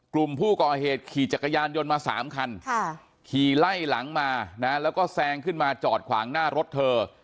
กลุ่มผู้ก่อเหตุขี่จักรยานยนต์มา๓คันขี่ไล่หลังมานะแล้วก็แซงขึ้นมาจอดขวางหน้ารถเธอ